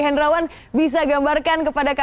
hendrawan bisa gambarkan kepada kami